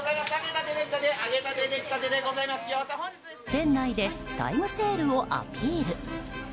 店内でタイムセールをアピール。